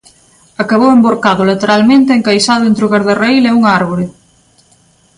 Acabou envorcado lateralmente e encaixado entre o gardarraíl e unha árbore.